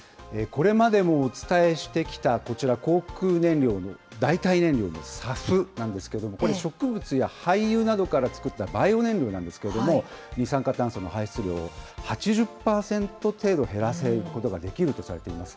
これまでもお伝えしてきたこちら、航空燃料の代替燃料のＳＡＦなんですけども、これ、植物や廃油などから作ったバイオ燃料なんですけれども、二酸化炭素の排出量を８０％程度減らせることができるとされています。